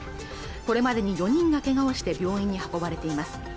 これまでに４人がけがをして病院に運ばれています